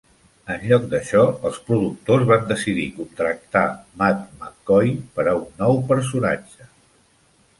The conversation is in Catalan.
En lloc d'això, els productors van decidir contractar Matt McCoy per a un nou personatge.